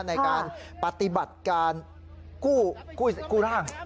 ในการปฏิบัติการกู้ร่าง